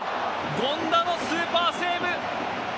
権田のスーパーセーブ！